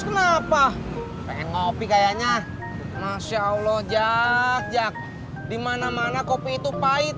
kenapa pengen ngopi kayaknya masya allah jak dimana mana kopi itu pahit